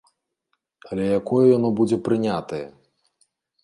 Але якое яно будзе прынятае?